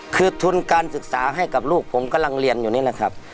คือทุนการศึกษาให้กับลูกผมกำลังเรียนอยู่นี่แหละครับ